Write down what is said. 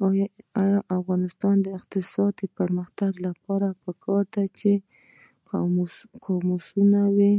د افغانستان د اقتصادي پرمختګ لپاره پکار ده چې قاموسونه وي.